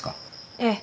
ええ。